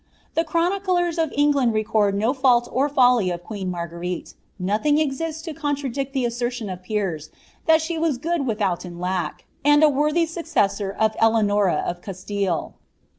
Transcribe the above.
The chroniclers of Enijluid record no fault or folly of queen Marguerite ; nothing exists to cootik diet the assertion of Piers, that the was "' good wiihoutra lack." aaJ ■ worthy successor to Eleanora of Cuaiille.